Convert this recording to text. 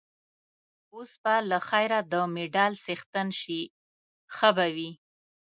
اوس به له خیره د مډال څښتن شې، ښه به وي.